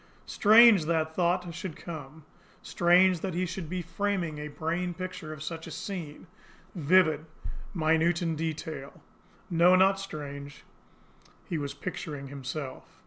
Strange that thought should come! Strange that he should be framing a brain picture of such a scene, vivid, minute in detail! No not strange. He was picturing himself.